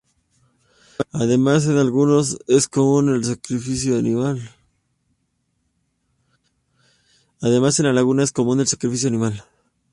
Además en algunas es común el sacrificio animal.